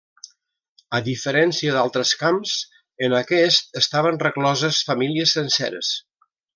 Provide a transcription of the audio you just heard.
A diferència d'altres camps, en aquest estaven recloses famílies senceres.